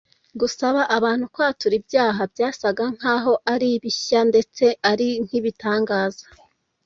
Gusaba abantu kwatura ibyaha byasaga nk’aho ari bishya ndetse ari nk’ibitangaza